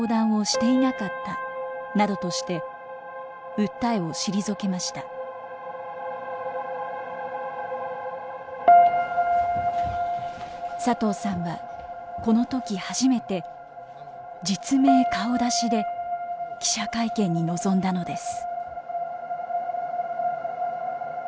また市の責任については。佐藤さんはこの時初めて実名・顔出しで記者会見に臨んだのです。